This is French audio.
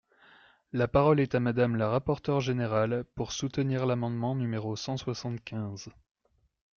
La parole est à Madame la rapporteure générale, pour soutenir l’amendement numéro cent soixante-quinze.